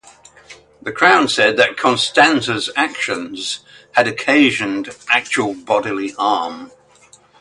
The Crown said that Constanza's actions had occasioned actual bodily harm.